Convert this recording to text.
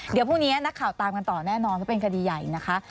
เดี๋ยวพรุ่งนี้นักข่าวตามกันต่อแน่นอนว่าเป็นคดีใหญ่นะคะ